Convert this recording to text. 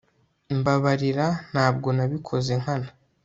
Mbabarira Ntabwo nabikoze nkana